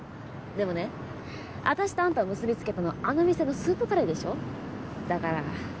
でもね私とあんたを結び付けたのはあの店のスープカレーでしょ？だから。